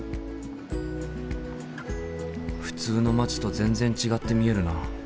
普通の街と全然違って見えるな。